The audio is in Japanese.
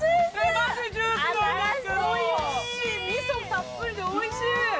おいしい、みそたっぷりでおいしい。